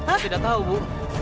aku tidak tahu bu